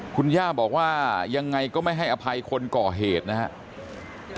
คุณย่าบอกว่ายังไงก็ไม่ให้อภัยคนก่อเหตุนะครับ